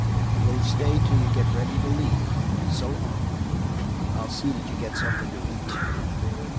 You'll stay till you get ready to leave. S'long. I'll see that you get something to eat."